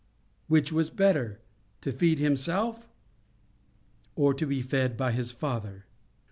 —Which was better? To feed Himself, or be fed by His Father?